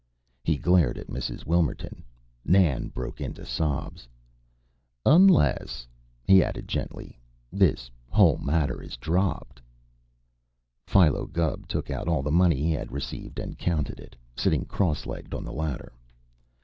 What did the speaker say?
He glared at Mrs. Wilmerton. Nan broke into sobs. "Unless," he added gently, "this whole matter is dropped." Philo Gubb took out all the money he had received and counted it, sitting cross legged on the ladder.